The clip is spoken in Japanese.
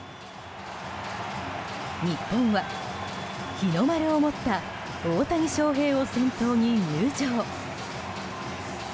日本は日の丸を持った大谷翔平を先頭に入場。